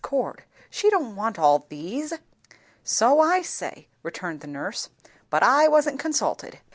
Cord, she don't want all these?" "So I say," returned the nurse; "but I wasn't consulted.